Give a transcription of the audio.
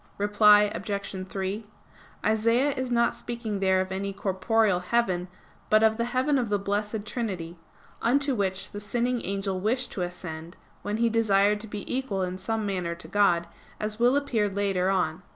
Reply Obj. 3: Isaias is not speaking there of any corporeal heaven, but of the heaven of the Blessed Trinity; unto which the sinning angel wished to ascend, when he desired to be equal in some manner to God, as will appear later on (Q.